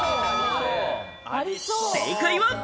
正解は。